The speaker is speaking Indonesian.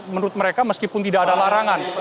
menurut mereka meskipun tidak ada larangan